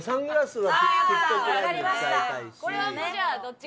これはもうじゃあどっちか。